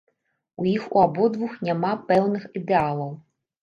У іх у абодвух няма пэўных ідэалаў.